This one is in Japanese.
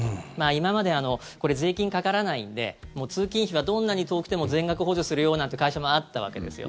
今まで、税金かからないんで通勤費はどんなに遠くても全額補助するよなんて会社もあったわけですよ。